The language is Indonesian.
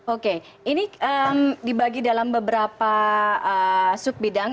oke ini dibagi dalam beberapa sub bidang